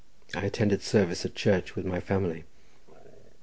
I attended service at church with my family.